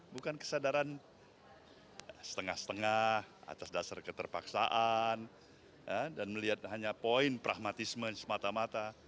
bukan kesadaran setengah setengah atas dasar keterpaksaan dan melihat hanya poin pragmatisme semata mata